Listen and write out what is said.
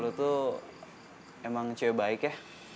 dulu tuh emang cewek baik ya